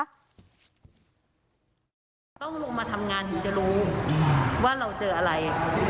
ต้องลงมาทำงานถึงจะรู้ว่าเราเจออะไร